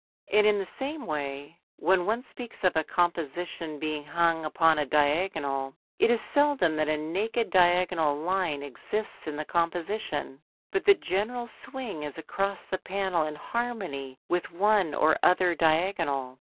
And in the same way, when one speaks of a composition being hung upon a diagonal, it is seldom that a naked diagonal line exists in the composition, but the general swing is across the panel in harmony with one or other diagonal.